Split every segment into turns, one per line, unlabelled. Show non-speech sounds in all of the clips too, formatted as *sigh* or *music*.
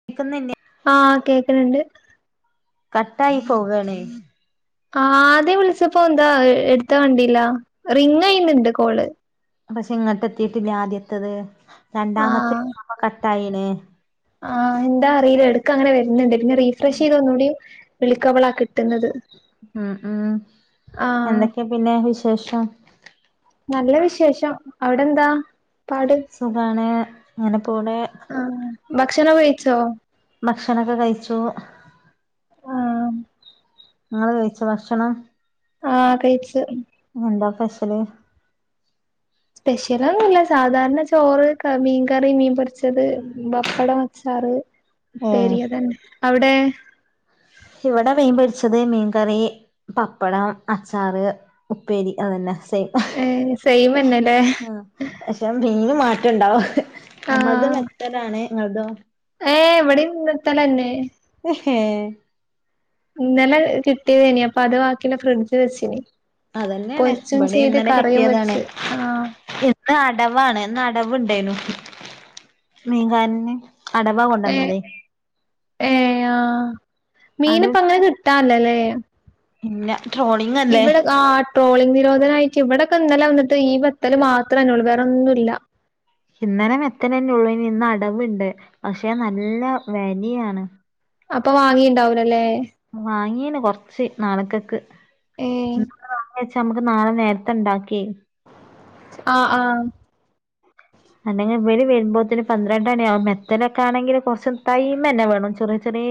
*unintelligible*
ആഹ കേക്കണണ്ട്
കട്ടായി പോവണേ
ആ ആദ്യം വിളിച്ചപ്പോ എന്താ എടുത്താ കണ്ടില്ല റിങ് എഴുന്നുണ്ട് കോള്
പക്ഷെ ഇങ്ങോട്ട് എത്തിട്ടില്ലാദ്യ രണ്ടാമത്തെ കട്ടായിണ്
ആഹ എന്താ അറിയില്ല എടുക്ക് അങ്ങനെ വരുന്നുണ്ട് ഇെ റീഫ്രഷ് ചെയ്തുന്നൂടോ വിളിക്കവളാ കിട്ടുന്നത്
ഉം ഉം
ആഹ്
എന്തൊക്കെയാ പിന്നെ വിശേഷം
നല്ല വിശേഷം അവിടെ എന്താ പാട്
സുഖമാണ് അങ്ങനെപ്പോൂടെ
ആ ഭക്ഷണം കഴിച്ചോ
ഭക്ഷണൊക്കെ കഴിച്ചു
ആഹ്
നിങ്ങള് കഴിചോ ഭക്ഷണം
ആഹ കഴച്ച്
എന്താ സ്പെഷ്യല്
സ്പെഷ്യലൊന്നും ഇല്ല സാധാരണ ചോറ് മീൻകറി മീൻ പൊരിച്ചത് പപ്പടം അച്ചാറ്
ഏ
ഉപ്പേരി അതേനെ അവിടെ
ഇവിടെ മീൻ പൊരിച്ചത് മീൻകറിെ പപ്പടം അച്ചാറ് ഉപ്പേരി അതന്നെ സ
ഏ സൈമന്നെല്ലേ
പക്ഷെ മീൻ മാറ്റം ഉണ്ടാവും നമ്മൾത് ബെത്തല് നിങ്ങൾ തോ
ഏ എവിടെയും ബേത്തൽ താനെ
ഹഹ
ഇന്നലെ കിട്ടിയത് എനി അപ്പൊ അത് ബാക്കി ഫ്രിഡ്ജ് വെച്ചിനി
അതന്നെയാണ്
പൊരിച്ചും
ഇവിടെ
ചെയ്ത്
ഇന്നലെ
കറിയും
കെട്ടിയതാണ്
വെച്ച് ആ
ഇന്ന് അടവാണ് അടവുണ്ടായിനു മീൻകാരന് അടവാ കൊണ്ടുവന്നേ
ഏ ആ മീൻ
അട
ഇപ്പ അങ്ങനെ കിട്ടാല്ലല്ലേ
ഇല്ല ട്രോളിംഗ്
ഇവിടെ ആ ട്രോളിംഗ് നിരോധന ആയിട്ട് ഇവിടോക്കെ ഇന്നല്ലെ വന്നിട്ട് ഈ വത്തല് മാത്ര അന്നേ ഉള്ളു വേറെന്നുമില്ല
ഇന്നലെ വത്തല് തന്നെ ഉള്ളൂ ഇനി ഇന്ന് അടവുണ്ട് പക്ഷെ നല്ല വലിയാണ്
അപ്പൊ വാങ്ങിണ്ടാവലല്ലേ
വാങ്ങിയന കൊറച്ച് നാളക്കക്ക്ങ്ങ
ഏഹ്
പക്ഷെ നമ്മുക്ക് നാളെ നേരത്തെ ഉണ്ടാക്കി
ആഹ ആഹ
അല്ലെങ്കിൽ ഇ വര് വരുമ്പോത്തേന് പന്ത്രണ്ട് മണിയാവകും മെത്തലൊക്കെ ആണെങ്കിൽ കുറച്ചും ൈം തന്നെ വേണം ചെറിയ ചറേ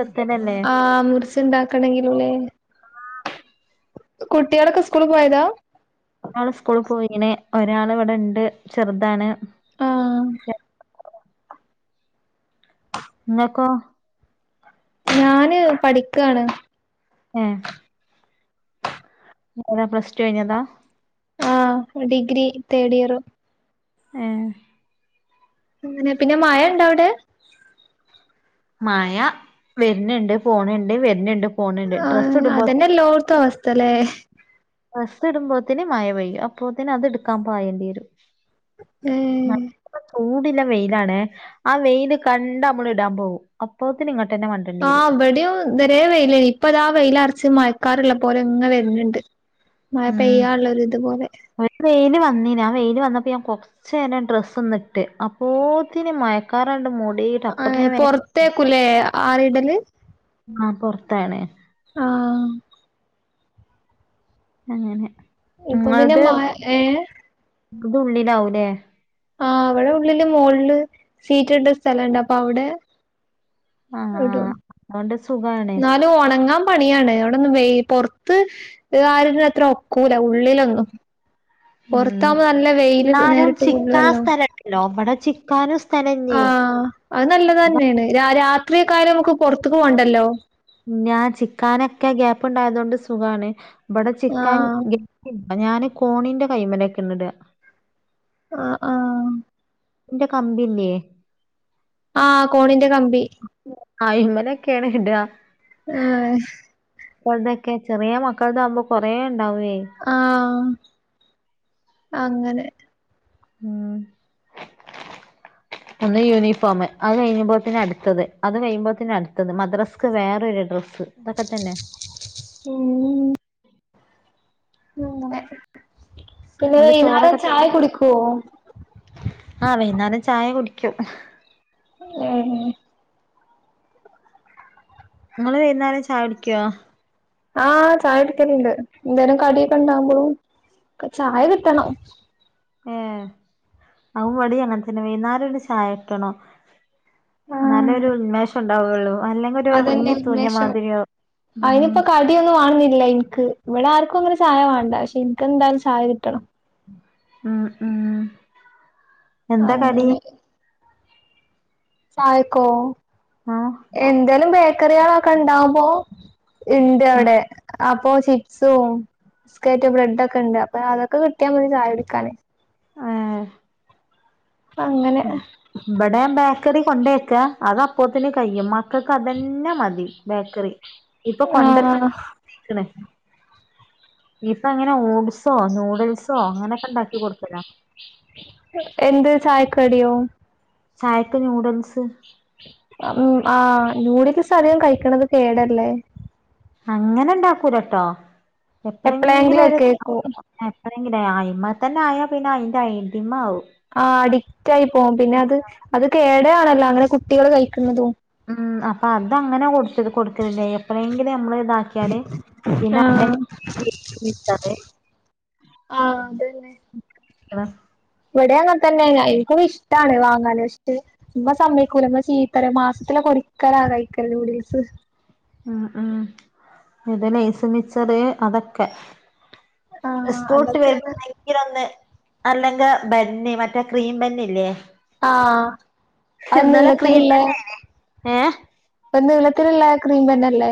വത്തനല്ലേ
ആ മുറിച്ച്ണ്ടാക്കണെങ്കിലൂല്ലെ. കുട്ടിയേളൊക്കെ സ്കൂള് പോയതാ.
ഒരാള് സ്കൂള് പോയിന് ഒരാളവിടെണ്ട് ചെറുതാണ്.
ആഹ്
ങ്ങക്കോ
ഞാന് പഠിക്കാണ്.
ഏഹ് പിന്നെ പ്ലസ്റ്റു കിഞ്ഞതാ.
ആഹ് ഡിഗ്രി തേഡിയർ.
ഏഹ്
അങ്ങനെ പിന്നെ മയണ്ടവിടെ.
മയ വര്ന്ണ്ട് പോണണ്ട് വരന്ണ്ട്.
ആ അതന്നെല്ലോർത്തവസ്ഥല്ലേ.
ബസ്സ് ഇടുമ്പോഴത്തേന് മഴ പെയ്യ അപ്പോത്തിന് അത് എടുക്കാ പകേണ്ടി വരും.
ഏഹ്
മഴപ്പ പോവും പിന്ന വെയിലാണ് ആ വെയില് കണ്ടമ്മള് ഇടാം പോകും അപ്പത്തിന് ഇങ്ങോട്ടന്നെ മണ്ടേണ്ടി വരും.
തേവരേ വെയില ഇപ്പ അതാ വെയിലെറിച്ച് മയക്കാറ്ള്ള പോലെങ്ങ് വരുന്നുണ്ട്. മഴ
ഉം
പെയ്യാനുള്ളൊരിതുപോലെ.
ഒരു വെയില് വന്നീന് ആ വെയില് വന്നപ്പോ ഞാൻ കുറച് നേരം ഡ്രസ്സ്ന്നിട്ട് അപ്പോത്തിന് മഴ. ക്കാറണ്ട് മൂടിട്ടപ്പത്തിന്
ഏഹ്
വരെ.
പൊറത്തേക്കുലേ ആറിടല്
ആഹ് പുറത്താണ്.
ആഹ്
അങ്ങനെ
ഇപ്പൊ പിന്നെ
ങ്ങളത്
മഴ ഏഹ്
ഉള്ളിലാവൂലേ.
ആഹ് അവിടെ ഉള്ളില് മോളില് സീറ്റ് ഇട്ട സ്ഥലണ്ട് അപ്പൊ അവിടെ.
ആഹ്
ഇടും
ആഹ് അതോണ്ട് സുഖാണ്
എന്നാലും ഒണങ്ങാൻ പണിയാണ് അവിടെന്ന് പൊറത്ത്. ഇ ആരന് അത്ര ഒക്കൂല ഉള്ളിലൊന്നും.
ഉം
പുറത്താകുമ്പോ നല്ല വെയില് നേരിട്ട് കൊള്ളുവല്ലോ.
ലോബടെ ചിക്കാനും.
ആ
സ്ഥലല്ലേ
അത് നല്ലത് തനെയാണ് രാത്രിയെക്കാലം നമുക്ക് പൊറത്ക്ക് പോണ്ടല്ലോ.
ഞാൻ ചിക്കാനൊക്കെ ഗ്യാപ്പ് ണ്ടായതൊണ്ട് സുഖാണ് ഇവടെ ചിക്കാൻ.
ആഹ്
ഞാന് കോണിന്റെ കൈ്മനക്കെ ഇന്ന്ട.
ആ ആ
എന്റെ കമ്പില്ലേ.
ആ കോണിന്റെ കമ്പി.
ആ അയ്മലൊക്കെയാണ് ഇിടാ.
ആഹ്.
മക്കളുടെക്കെ ചെറിയ മക്കളുടെ ആകുമ്പോ കൊറേണ്ടാവേ.
ആഹ് അങ്ങനെ.
ഉം
*inaudible*
ഒന്ന് യൂണിഫോം അത് കഴിഞ്ഞുമ്പോതിന് അടുത്തത് അത് കഴിയുമ്പോതിന് അടുത്തത് മദ്രസ്ക്ക് വേറൊരു ഡ്രസ്സ്. ഇതൊക്കെ തന്നെ.
ഉം ഉ പിന്നെ
ഇന്നട്ട്
വൈനാരം
ചോറൊക്കെ തിന്ന്
ചായ കുടിക്കുവോ.
ആഹ് വൈന്നേരം ചായ കുടിക്കും.
ഏഹ്
ങ്ങള് വൈന്നാരം ചായുടിക്കോ?
ആഹ് ചായുടിക്കല്ണ്ട്, എന്തേലും കടിയൊക്കെണ്ടാവുമ്പളും ചായ കിട്ടണം.
ഏഹ്, അവ്വടിം അങ്ങൻത്തന്നെ, വൈന്നാരൊരു ചായ കിട്ടണം. ന്നാലേ
ആഹ്
ഒരു ഉന്മേഷണ്ടാവൊള്ളൂ. അല്ലെങ്കി ഒരു
അതന്നെ
ഒറർങ്ങി തൂങ്ങ്യ മാതിരിയാവും.
*unintelligible* ഒന്നും വാണന്നില്ല ഇൻക്ക്. ഇവടെ ആർക്കു അങ്ങനെ ചായ വാണ്ട പക്ഷെ, ഇൻക്കെന്തായാലും ചായ കിട്ടണം.
ഉം ഉം എന്താ കടി?
അങ്ങനെ ചായക്കോ?
ആഹ്
എന്തേലും ബേക്കറ്യാളൊക്കെ ഇണ്ടാവുമ്പോ
ഉം
ഇന്റവ്ടെ അപ്പൊ ചിപ്സും, ബിസ്ക്കേറ്റു ബ്രെഡൊക്കെണ്ട്. അപ്പൊ അതൊക്കെ കിട്ടിയാ മതി ചായ കുടിക്കാന്
ഏഹ്
അങ്ങനെ
ഇബടെ ബേക്കറി കൊണ്ടോയെക്ക, അത് അപ്പോത്തിന് കയ്യും മ ക്കക്ക് അതന്നെ മതി ബേക്കർ, ഇപ്പൊ
ആഹ്
കൊണ്ടര്ലൊക്കെ നിർത്തീക്ക്ണ്. ഇപ്പങ്ങനെ ഓട്സോ, നൂഡിൽസോ അങ്ങനൊക്കെ ഇണ്ടാക്കി കൊടുക്കലാ.
എന്ത് ചായക്കടിയോ?
ചായക്ക് നൂഡിൽസ്
അം ആഹ്, നൂഡിൽസ് അധികം കഴിക്കണത് കേടല്ലേ?
അങ്ങനെണ്ടാക്കൂലട്ടോ.
എപ്പളെങ്കിലും
എപ്പ്ളെങ്കിലൊര്
ഒക്കെ കേക്കും
*unintelligible* അയ്മെ തന്നെ ആയാ പിന്നെ, അയ്ന്റെ അയ്ടിമ ആവും.
ആഹ് അഡിക്റ്റായി പോവും. പിന്നെ അത് അത് കേടേ ആണല്ലോ അങ്ങനെ കുട്ടികള് കഴിക്ക്ന്നതും
ഉം അപ്പൊ അത് അങ്ങനെ കൊടുത്തത് കൊട്ക്കലില്ല. എ എപ്പളേങ്കിലും നമ്മള് ഇതാക്കിയാല് പിന്നെ
ആഹ്
*unintelligible*
ആഹ് അതെന്നെ.
*unintelligible*
ഇവടെ അങ്ങനൻ തന്നേണ്. ഇൻക്കൊക്കെ ഇഷ്ടാണ് വാങ്ങാന് പക്ഷെ ഇമ്മ സമ്മയ്ക്കൂല, ഇമ്മ ചീത്തറിം. മാസത്തിലൊക്കെ ഒരിക്കലാണ് കയ്ക്ക നൂഡിൽസ്
ആഹ് ആഹ് ഇത് ലെയ്സ്, മിച്ചറ് അതൊക്കെ
ആഹ്
സ്കൂൾട്ട് വര് *unintelligible*
അതൊക്കെയാണ്
*unintelligible* അല്ലെങ്കെ ബെന്ന്, മറ്റേ ക്രീം ബെന്നില്ലേ
ആഹ് അ
ക്രീം
നീളത്തില്ള്ളെ
ബന്നേനി ഏഹ്
ഇപ്പം നീളത്തില്ള്ളെ ക്രീം ബെന്നല്ലേ?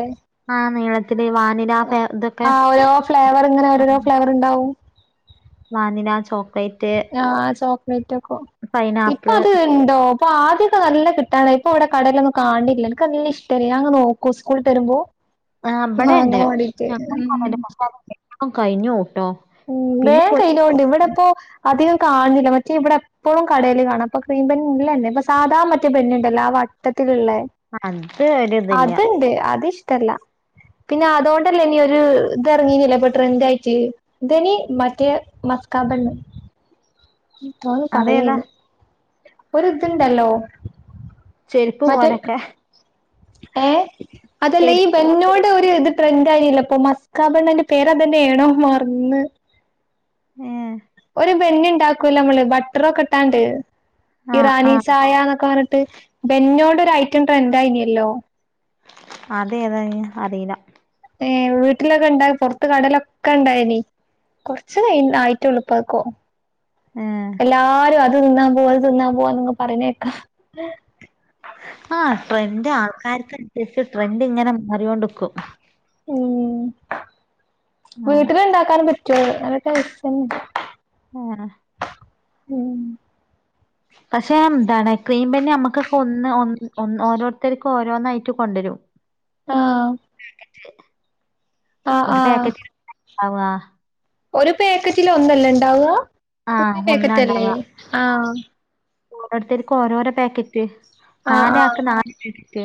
ആഹ് നീളത്തില്, വാനില ഫെ ഇതൊക്കെ
ആഹ് ഓരോ ഫ്ലേവർ ഇങ്ങനെ ഓരോരോ ഫ്ലേവർ ഇണ്ടാവും.
വാനില ചോക് ക്ലേറ്റ്
ആഹ് ചോക്ലേറ്റ് ഒക്കോ, ഇപ്പൊ
പൈനാപ്പിള്
അത് ഇണ്ടോ? ഇപ്പാദ്യൊക്കെ നല്ല കിട്ടാണ്ടായ്നി, ഇപ്പൊ ഇവിടെ കടേലൊന്നും കാണ് ണില്ല. ഇൻക്ക് നല്ല ഇഷ്ടേനി ഞാൻ ഇങ്ങനെ നോക്കും സ്കൂൾട്ടെരുമ്പൊ
ആഹ് ഇബടെണ്ട് *unintelligible* കയ്ഞ്ഞോവുട്ടൊ പിന്നെ *unintelligible*
*unintelligible* ഇവടെപ്പോ അധികം കാണ് ണില്ല മറ്റേ ഇവടെ എ ഇപ്പോളും കടേല് കാണാ, ഇപ്പൊ ക്രീം ബെന്ന് ഇല്ല ന്നെ. ഇപ്പൊ സാധാ മറ്റേ ബെന്ന്ണ്ടല്ലോ ആ വട്ടത്തില്ള്ളെ
അത് ഒരിതില്ല
അത്ണ്ട്, അതിഷ്ടല്ല. പിന്നെ അതോണ്ടല്ലേ ഇനി ഒര്, ഇതർങ്ങീനിലെ ഇപ്പൊ ട്രെൻഡായിട്ട് എന്തേനി, മറ്റേ മസ്കാ ബന്ന് തോന്നി
അതേതാ
പറയേനു. ഒര്ത്ണ്ടല്ലോ
ചെരുപ്പ്
മറ്റേ
പോലൊക്കെ
ഏഹ് അതല്ല, ഈ
ചെരുപ്പ് മാതിരി
ബെന്നോട് ഒരു ഇത് ട്രെൻഡായീനല്ലൊപ്പൊ, മസ്കാബണ്ണ് അയ്ന്റെ പേരതെന്നേണൊ? മർന്ന്
ഏഹ്
ഒരു ബെന്ന്ണ്ടാക്കൊല്ലൊ നമ്മള്, ബട്ടറൊക്കെട്ടാണ്ട്
ആഹ്
ഇറാനീ
ആഹ്
ചായാന്നൊക്കെ പർഞ്ഞ് ട്ട്, ബെന്നോണ്ടൊരയ്റ്റം ട്രെൻഡായീന്യെല്ലോ
അതേതാ *unintelligible* അറീല.
ഏഹ് വീട്ടിലൊക്കെ ഇണ്ടായി പൊർത്ത് കടേലൊക്കെ ഇണ്ടായ്നി കൊറച്ച് ക ആയിട്ടൊള്ളു ഇപ്പായ്ക്കും
ഏഹ്
എല്ലാരും അത് തിന്നാൻ പോവാ ഇത് തിന്നാൻ പോവാന്ന് പറയണെ കേക്കാം
ആഹ ട്രെൻഡ് ആൾക്കാർക്ക് അനുസരിച്ച് ട്രെൻഡ് ഇങ്ങനെ മാറികൊണ്ട്ക്കും
ഉം
അങ്ങനെ
വീട്ടില് ഇണ്ടാക്കാനും പറ്റും നല്ല ടേസ്റ്റാണ്
ഏഹ്
ഉം
പക്ഷെ എന്താണ് ക്രീം ബന്ന് നമ്മുക്കൊക്കെ ഒന്ന് ഓരോരുത്തർക്ക് ഓരോന്നായിട്ട് കൊണ്ടുവരും
ആഹ് ആഹ്
ഒരു
ആഹ്
പാക്കറ്റ് *unintelligible*
ഒരു പേക്കറ്റില് ഒന്നല്ലെ ഇണ്ടാവാ? *unintelligible* പേക്കറ്റല്ലേ ആഹ്
ഓരോര്ത്തർക്ക് ഓരോരോ പാക്കറ്റ്
ആഹ്
നാലാക്ക്
ആഹ്
നാല് പാക്കറ്റ്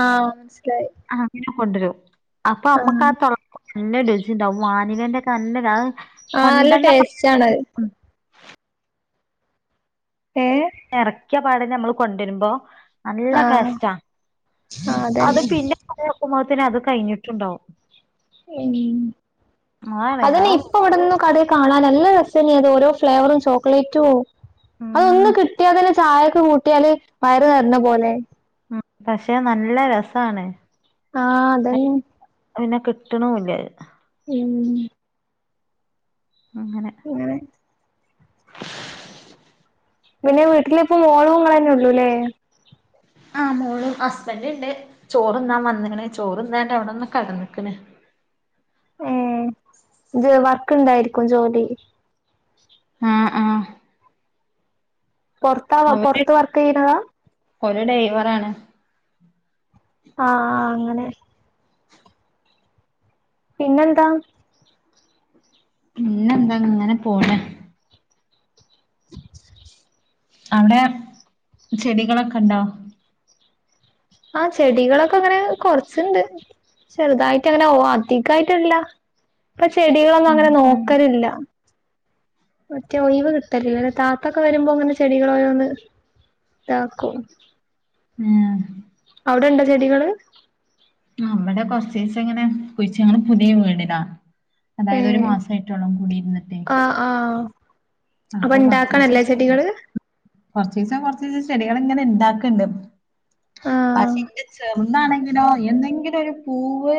ആഹ് മനസ്സിലായി
അങ്ങനെ കൊണ്ടുവരും അപ്പൊ
ആഹ്
അമ്മക്കാ ആ *unintelligible* നല്ല രുചിണ്ടാവും വാനിലേന്റെ ഒക്കെ നല്ല
ആഹ നല്ല
കൊണ്ടന്ന
ടേസ്റ്റ് ആണത് ഏഹ്
എറക്കിയ പാടെന്നെ നമ്മള് കൊണ്ടരുമ്പോ നല്ല
ആഹ്
ടേസ്റ്റാ
ആഹ്
അത്
അതന്നെ
പിന്നെ അത് എത്തുംമ്പൊത്തിന് അത് കഴിഞ്ഞിട്ടുണ്ടാവും
ഉം
അതാണ്
അതിന്
അത്
ഇപ്പൊ ഇവിടൊന്നും കട കാണാ നല്ല രസെല്ലെ അത് ഓരോ ഫ്ലേവറും ചോക്ലേറ്റും
ഉം
അതൊന്ന് കിട്ടിയാതന്നെ ചായക്ക് കൂട്ടിയാല് വയറ് നിറഞ്ഞ പോലെ
ഉം പക്ഷെ നല്ല രസാണ്
ആഹ അതന്നെ
അത്‌ പിന്നെ കിട്ടണുല്ല്യത്
ഉം
അങ്ങനെ
അങ്ങനെ പിന്നെ വീട്ടിലിപ്പം മോളും ഇങ്ങളന്നെ ഉള്ളൂ അല്ലേ
ആ മോളും ഹസ്ബന്റ് ഇണ്ട് ചോറ് തിന്നാന് വന്ന്ണ് ചോറ്ന്നാണ്ട് അവിടെ ഒന്ന് കെടന്ന്ക്ക്ണ്
ഏഹ് ഇത് വർക്ക് ഇണ്ടായിരിക്കും ജോലി
ആഹ ആഹ
പുറത്താ
അവര്
പുറത്ത് വർക്ക് ചെയ്ണതാ
ഓല് ഡ്രൈവറ് ആണ്
ആ ആഹ് അങ്ങനെ പിന്നെന്താ
പിന്നെന്താ ഇങ്ങനെ പോണ്
*unintelligible*
അവിടെ ചെടികളൊക്കെ ഉണ്ടോ
ആഹ ചെടികളൊക്കെ ഇങ്ങനെ കൊറച്ചുണ്ട് ചെറുതായിട്ട് അങ്ങനെ ഓ അധിക്കായിട്ടില്ല ഇപ്പൊ ചെടികളൊന്നും
ഉം
അങ്ങനെ നോക്കലില്ല മറ്റേ ഒയിവ് കിട്ടലില്ല അല്ലെ താത്തൊക്കെ വരുമ്പോ ഇങ്ങനെ ചെടികളോരോന്ന് ഇതാക്കും
ഏഹ്
അവിടെണ്ട ചെടികള്
ഇവിടെ കൊറച്ചീച്ചെ ഇങ്ങനെ കുയിച് ഞങ്ങൾ പുതിയ വീട്ലാ
ഏ
അതായത് ഒരു മാസായിട്ടൊള്ളൂ കുടി ഇരുന്നിട്ടേ
ആഹ് ആഹ് അപ്പൊ ഇണ്ടാക്കണല്ലേ ചെടികള്
കുറച്ചീച്ചെ കൊറച്ചീച്ചെ ചെടികൾ ഇങ്ങനെ ഇണ്ടാക്ക്ണ്ട്
ആഹ്
പക്ഷെ എന്റെ ചെർന്നാണെങ്കിൽ *unintelligible* എന്തെങ്കിലും ഒരു പൂവ്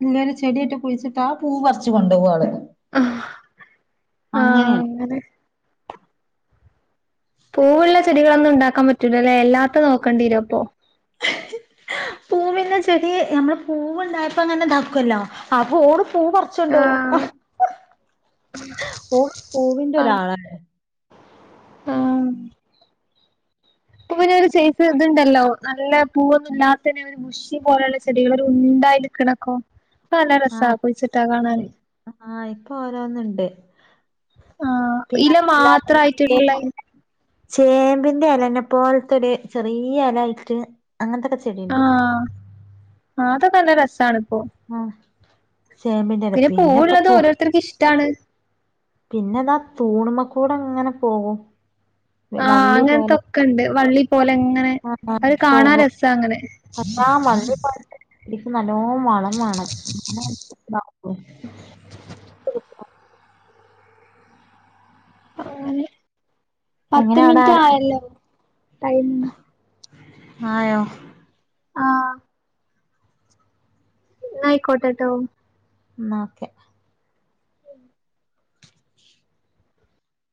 പിന്നെ ഒരു ചെടിയേറ്റെ കുഴിച്ചിട്ടാൽ ആ പൂവ് പറച്ച് കൊണ്ടോവും ആള്
ആഹ്
അങ്ങനെയാണ്
അങ്ങനെ പൂവുള്ള ചെടികളൊന്നും ഉണ്ടാക്കാൻ പറ്റൂല്ല ല്ലേ അല്ലാത്ത നോക്കേണ്ടി വരും അപ്പോ
പൂവില്ല ചെടി നമ്മള് പൂവ്ണ്ടായപ്പോ അങ്ങനെ താക്കല്ലോ അപ്പൊ ഓള് പൂ പാറച്ച്ണ്ടോവും
ആഹ്
ഓള് പൂവിന്റെ ഒരാള
ആഹ പൂവിന ഒരു സൈസ് ഇതുണ്ടല്ലോ നല്ല പൂവൊന്നും ഇല്ലാത്തെ ഷി പോലെയുള്ള ചെടികള് ഒരു ഉണ്ടായി നിക്കണക്കോ
ആഹ് മം ആഹ് ഇപ്പൊ ഓരോന്നുണ്ട്
ആഹ്
പിന്നെ
ഇല മാത്രായിട്ടുള്ള
*inaudible* ചേമ്പിന്റെ ഇലേനെ പോലെതന്നെ ചെറിയ ഇല ആയിട്ട് അങ്ങനത്തൊക്കെ ചെടിയുണ്ട്
ആഹ് അതൊക്കെ നല്ല രസാണ് ഇപ്പോ
മം ചേമ്പിൻ്റെ ഇല
പൂവുള്ളത്
പിന്നെപ്പതുവാ
ഓരോരുത്തർക്ക് ഇഷ്ടാണ്
പിന്നെതാ തൂണുമേക്കൂടെങ്ങനെ പോകും
ആഹ്
വള്ളി പോലെ
അങ്ങനത്തൊക്കെ ഉണ്ട് വള്ളി പോലെ ഇങ്ങനെ
ആഹ്
കാണാൻ
പോകും
രസാ അങ്ങനെ
എല്ലാ വള്ളി പോലത്തെ ചെടിക്ക് നല്ലോം വളം വേണം *inaudible*
*inaudible* പത്ത്
എങ്ങനെ അവിടെ
മിനിറ്റ്
ആര
ആയല്ലോ ടൈമ്
ആയോ
ആഹ് ന്നാ ആയിക്കോട്ടേട്ടോ
ന്നാ ഓക്കെ